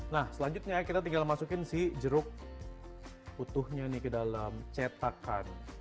nah selanjutnya kita tinggal masukin si jeruk utuhnya nih ke dalam cetakan